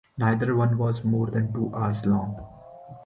Neither one was more than two hours long.